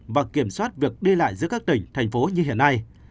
và kiểm soát việc đi lại giữa các tỉnh thành phố như hiện nay